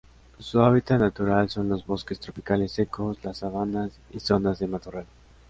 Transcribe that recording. Su hábitat natural son los bosques tropicales secos, las sabanas y zonas de matorral.